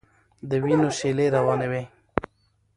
د وینو شېلې روانې وې.